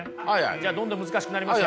じゃあどんどん難しくなりますよ。